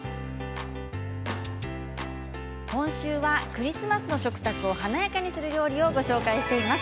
今週はクリスマスの食卓を華やかにする料理をご紹介しています。